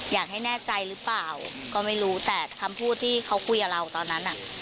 อยากให้แน่ใจหรือเปล่าก็ไม่รู้แต่คำพูดที่เขาคุยกับเราตอนนั้นน่ะ